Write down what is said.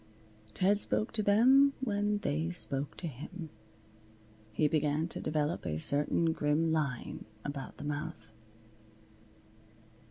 Ted spoke to them when they spoke to him. He began to develop a certain grim line about the mouth.